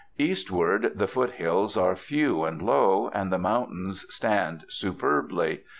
Eastward, the foothills are few and low, and the mountains stand superbly.